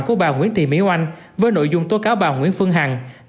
của bà nguyễn thị mỹ oanh với nội dung tố cáo bà nguyễn phương hằng